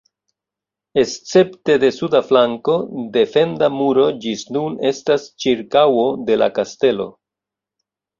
Escepte de suda flanko, defenda muro ĝis nun estas ĉirkaŭo de la kastelo.